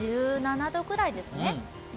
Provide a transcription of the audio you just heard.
１７度くらいですね。